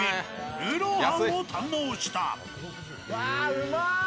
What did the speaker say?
ルーロー飯を堪能した。